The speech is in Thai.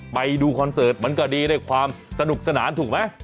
ไปดูคอนเสิร์ตมันก็ดีด้วยความสนุกสนานถูกไหม